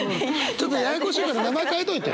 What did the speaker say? ちょっとややこしいから名前変えといて。